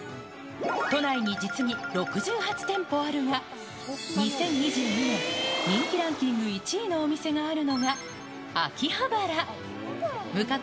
都内に実に６８店舗あるが、２０２２年、人気ランキング１位のお店があるのが、秋葉原。